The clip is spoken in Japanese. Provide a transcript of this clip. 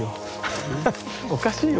おかしいよ。